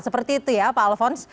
seperti itu ya pak alfons